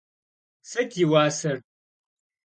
Sıt yi vuaser?